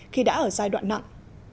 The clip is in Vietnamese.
khi đã ở giai đoạn nặng